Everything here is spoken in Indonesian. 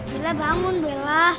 bella bangun bella